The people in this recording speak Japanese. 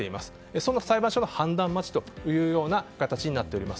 その裁判所の判断待ちという形になっています。